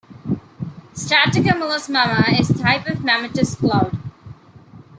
Stratocumulus Mamma is a type of mammatus cloud.